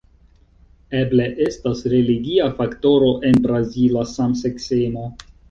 Eble estas religia faktoro en brazila samseksemo.